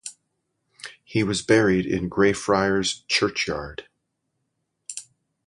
He was buried in Greyfriars churchyard.